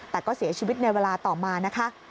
แต่ก็เสียชีวิตในเวลาต่อมานะคะ